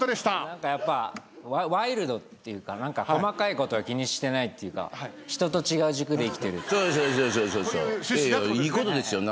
何かやっぱワイルドっていうか細かいことは気にしてないというか人と違う軸で生きてる。という趣旨だってことですね。